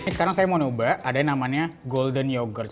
sekarang saya mau coba ada yang namanya golden yogurt